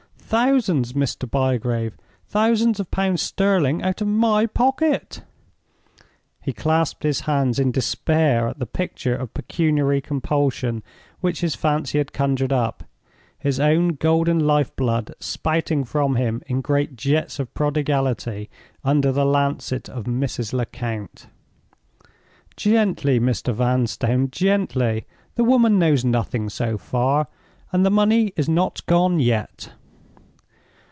Thousands, Mr. Bygrave—thousands of pounds sterling out of my pocket!!!" He clasped his hands in despair at the picture of pecuniary compulsion which his fancy had conjured up—his own golden life blood spouting from him in great jets of prodigality, under the lancet of Mrs. Lecount. "Gently, Mr. Vanstone—gently! The woman knows nothing so far, and the money is not gone yet."